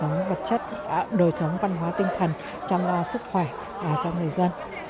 giúp sức khỏe